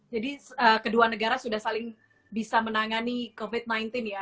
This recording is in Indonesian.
jadi kedua negara sudah saling bisa menangani covid sembilan belas ya